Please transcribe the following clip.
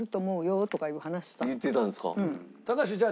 高橋じゃあ